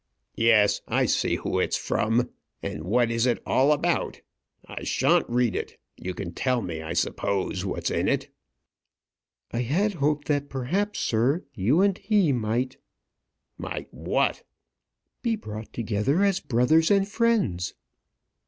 "Yes; I see who it's from and what is it all about? I shan't read it. You can tell me, I suppose, what's in it." "I had hoped that perhaps, sir, you and he might " "Might what?" "Be brought together as brothers and friends."